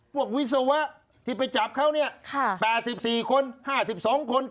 พวกวิศวะที่ไปจับเขาเนี้ยค่ะแปดสิบสี่คนห้าสิบสองคน